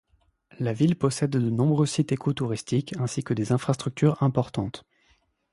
La ville possède de nombreux sites écotouristiques ainsi que des infrastructures importantes.